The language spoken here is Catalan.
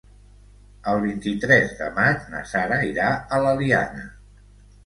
El vint-i-tres de maig na Sara irà a l'Eliana.